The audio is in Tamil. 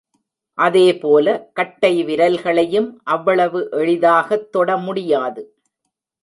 அதேபோல, கட்டை விரல்களையும் அவ்வளவு எளிதாகத் தொட முடியாது.